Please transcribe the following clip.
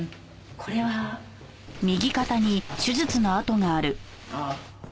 これは？ああ。